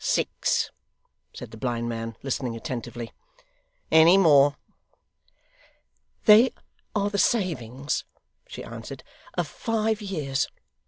'Six,' said the blind man, listening attentively. 'Any more?' 'They are the savings,' she answered, 'of five years.